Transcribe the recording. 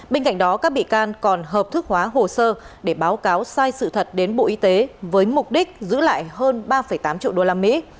bên cạnh đó các bị can còn hợp thức hóa hồ sơ để báo cáo sai sự thật đến bộ y tế với mục đích giữ lại hơn ba tám triệu đô la mỹ